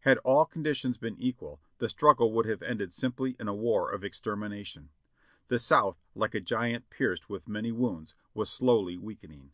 Had all conditions been equal, the strug gle would have ended simply in a war of extermination. The South, like a giant pierced with many wounds, was slowly weakening.